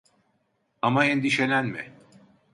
Ama endişelenme.